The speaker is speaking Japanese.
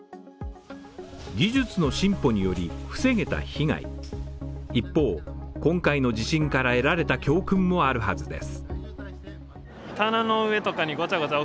技術の進歩により防げた被害一方、今回の地震から得られた教訓もあるはずです。